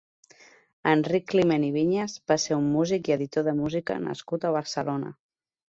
Enric Climent i Viñas va ser un músic i editor de música nascut a Barcelona.